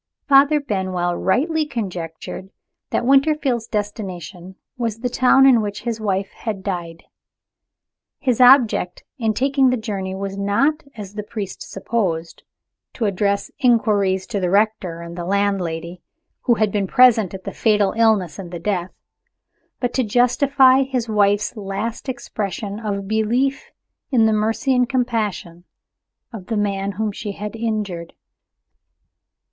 Father Benwell rightly conjectured that Winterfield's destination was the town in which his wife had died. His object in taking the journey was not, as the priest supposed, to address inquiries to the rector and the landlady, who had been present at the fatal illness and the death but to justify his wife's last expression of belief in the mercy and compassion of the man whom she had injured.